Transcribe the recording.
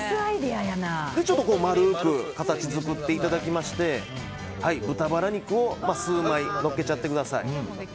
丸く形作っていただきまして豚バラ肉を数枚のっけちゃってください。